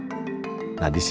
untuk membangun tanggul pantai